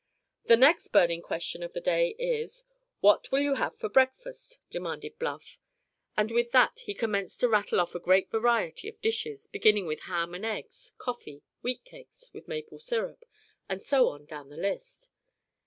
"The next burning question of the day is: What will you have for breakfast?" demanded Bluff; and with that he commenced to rattle off a great variety of dishes, beginning with ham and eggs, coffee, wheat cakes with maple syrup, and so on down the list.